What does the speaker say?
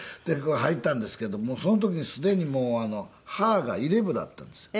入ったんですけどその時にすでにもう歯が入れ歯だったんですよ。